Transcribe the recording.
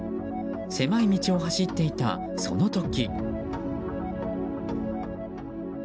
狭い道を走っていた、その時。